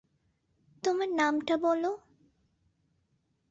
তোমার নামটা বলো।